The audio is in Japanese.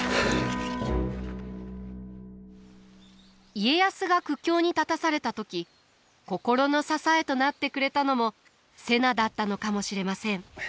家康が苦境に立たされた時心の支えとなってくれたのも瀬名だったのかもしれません。